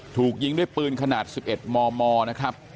ถูกยิงด้วยปืนขนาด๑๑มมนะครับ